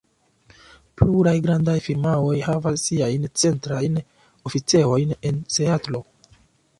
Pluraj grandaj firmaoj havas siajn centrajn oficejojn en Seatlo.